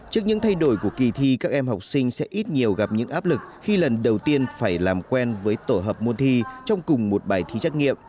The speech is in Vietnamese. trước những thay đổi của kỳ thi các em học sinh sẽ ít nhiều gặp những áp lực khi lần đầu tiên phải làm quen với tổ hợp môn thi trong cùng một bài thi trắc nghiệm